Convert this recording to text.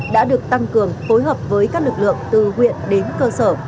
đã được tăng cường phối hợp với các lực lượng từ huyện đến cơ sở